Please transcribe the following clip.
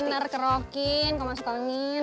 ntar kinar kerokin kok masuk angin